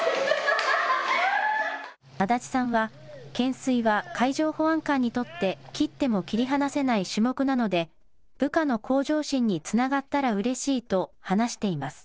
安達さんは、懸垂は海上保安官にとって切っても切り離せない種目なので、部下の向上心につながったらうれしいと話しています。